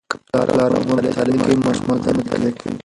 که پلار او مور مطالعه کوي، ماشومان هم مطالعه کوي.